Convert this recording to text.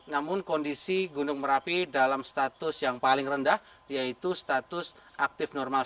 namun kondisi gunung merapi dalam status yang paling rendah yaitu status aktif normal